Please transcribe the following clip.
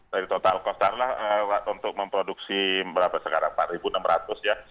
jadi total cost adalah untuk memproduksi berapa sekarang empat enam ratus ya